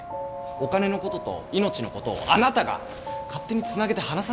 お金のことと命のことをあなたが勝手につなげて話さないでくださいよ。